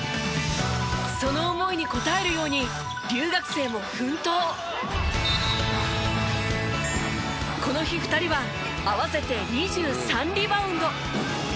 その思いに応えるようにこの日２人は合わせて２３リバウンド。